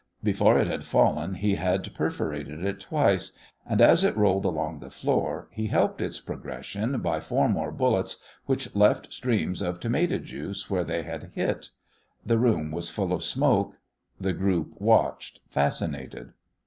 Before it had fallen he had perforated it twice, and as it rolled along the floor he helped its progression by four more bullets which left streams of tomato juice where they had hit. The room was full of smoke. The group watched, fascinated.